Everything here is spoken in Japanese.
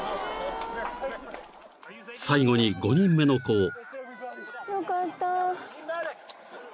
［最後に５人目の子を］